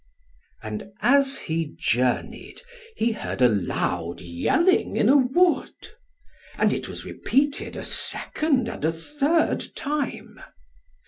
And as he journeyed, he heard a loud yelling in a wood. And it was repeated a second and a third time.